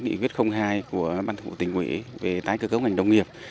cũng từ khi thực hiện nghị quyết hai của ban thủ tỉnh nguyễn về tái cơ cấu ngành đông nghiệp